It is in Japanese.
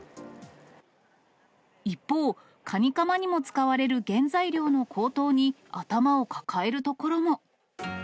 一方、カニカマにも使われる原材料の高騰に頭を抱えるところも。